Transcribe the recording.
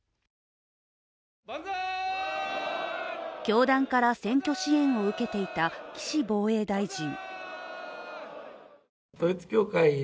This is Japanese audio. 教団から選挙支援を受けていた岸防衛大臣。